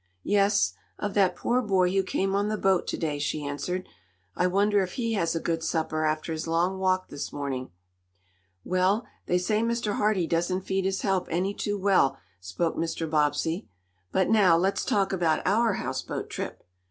"Yes, of that poor boy who came on the boat to day," she answered. "I wonder if he has a good supper after his long walk this morning?" "Well, they say Mr. Hardee doesn't feed his help any too well," spoke Mr. Bobbsey. "But now let's talk about our houseboat trip."